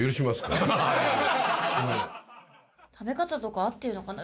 食べ方とか合ってるのかな？